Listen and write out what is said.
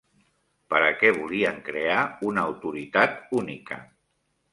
Per a què volien crear una autoritat única?